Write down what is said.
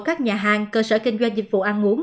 các nhà hàng cơ sở kinh doanh dịch vụ ăn uống